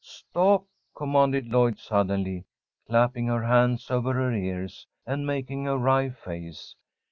"Stop!" commanded Lloyd, suddenly, clapping her hands over her ears, and making a wry face.